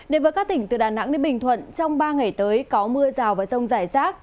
đến với các tỉnh từ đà nẵng đến bình thuận trong ba ngày tới có mưa rào và rông rải rác